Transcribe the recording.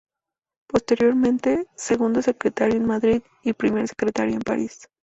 Posteriormente, segundo secretario en Madrid y primer secretario en París.